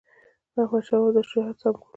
احمدشاه بابا د شجاعت سمبول و.